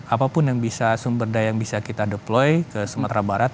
apapun yang bisa sumber daya yang bisa kita deploy ke sumatera barat